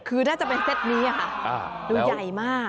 คือน่าจะเป็นเซตนี้ค่ะดูใหญ่มาก